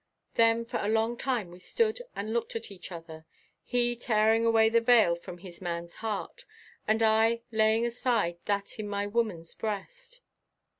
Then for a long time we stood and looked at each other, he tearing away the veil from his man's heart and I laying aside that in my woman's breast.